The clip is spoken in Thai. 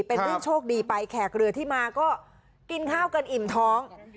เป็นเรื่องโชคดีไปแขกเรือที่มาก็กินข้าวกันอิ่มท้อง